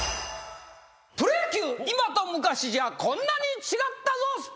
プロ野球今と昔じゃこんなに違ったぞＳＰ！